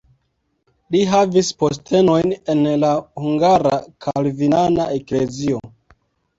Li havis postenojn en la hungara kalvinana eklezio.